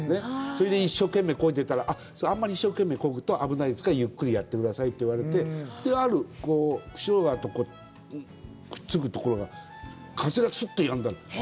それで一生懸命こいでたら、あっ、あんまり一生懸命こぐと危ないですから、ゆっくりやってくださいって言われて、くっつくところが、風がすっとやんだの。